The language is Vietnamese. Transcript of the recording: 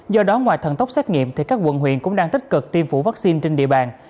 do đó ngoài thần tốc xét nghiệm thì các quận huyện cũng đang tích cực tiêm phổi vaccine trên địa bàn